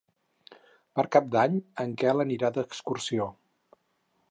Per Cap d'Any en Quel anirà d'excursió.